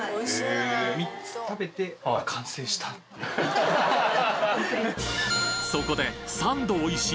３つ食べて完成したっていう。